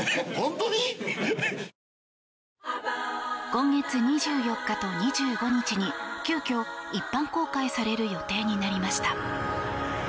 今月２４日と２５日に急きょ一般公開される予定になりました。